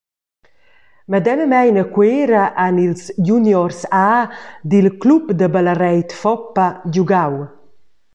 Medemamein a Cuera han ils juniors A dil Club da ballareit Foppa giugau.